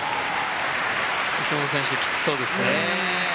西本選手、きつそうですね。